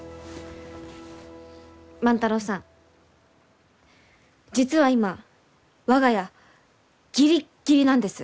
万太郎さん実は今我が家ギリッギリなんです。